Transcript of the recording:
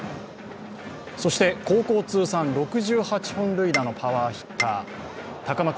そして、高校通算６８本塁打のパワーヒッター高松